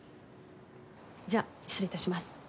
じゃあ失礼致します。